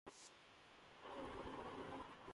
وہ تب I S I کے سربراہ تھے۔